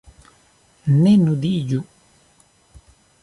Ne nudiĝu.